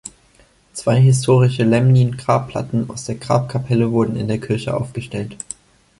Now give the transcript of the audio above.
Zwei historische Laemmlin-Grabplatten aus der Grabkapelle wurden in der Kirche aufgestellt.